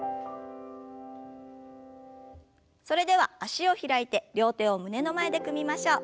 それでは脚を開いて両手を胸の前で組みましょう。